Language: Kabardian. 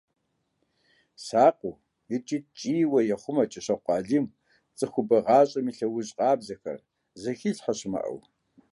Сакъыу икӀи ткӀийуэ ехъумэ КӀыщокъуэ Алим цӀыхубэ гъащӀэм и лӀэужь къабзэхэр, зыхилъхьэ щымыӀэу.